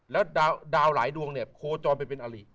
แล้วดาวหลายดวงเนี่ยโคจรไปเป็นอลิ